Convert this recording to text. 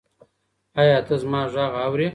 ایا ته زما غږ اورې؟